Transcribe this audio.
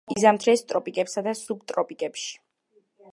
იზამთრებს ტროპიკებსა და სუბტროპიკებში.